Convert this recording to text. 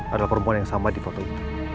adalah perempuan yang sama di foto itu